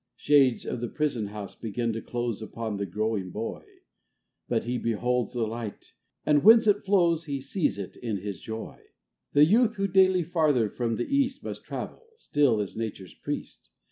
Shades of the prison house begin to close Upon the growing Boy, But He beholds the light, and whence it flows, He sees it in his joy ; The Youth, who daily farther from the east Must travel, still is Nature's Priest, 442 ODE.